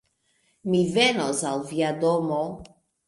Mi venos al via domo